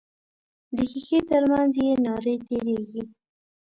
د ښیښې تر منځ یې نارې تیریږي.